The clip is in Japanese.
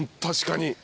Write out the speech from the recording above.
確かに。